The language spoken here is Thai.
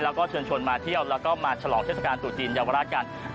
แล้วก็เชิญชวนมาเที่ยวแล้วก็มาฉลองเทศกาลตุจีนเยาวราชกัน